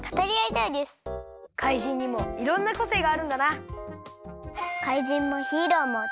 怪人にもいろんなこせいがあるんだなあ。